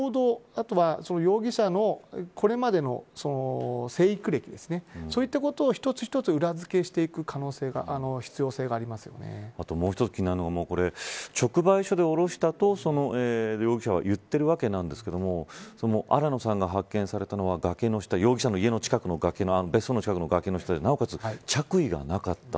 あとは、容疑者のこれまでの生育歴ですねそういったことを一つ一つ裏付けしていくあと、もう一つ気になるのが直売所で降ろしたと容疑者は言っているんですが新野さんが発見されたのは崖の下容疑者の別荘の近くの崖の下でなおかつ、着衣がなかった。